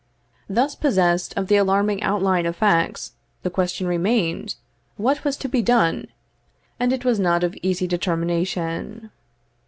Thus possessed of the alarming outline of facts, the question remained, what was to be done and it was not of easy determination.